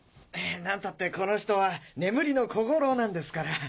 なんたってこの人は「眠りの小五郎」なんですから。